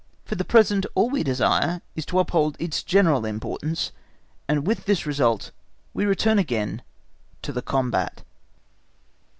For the present all that we desire is to uphold its general importance, and with this result we return again to the combat.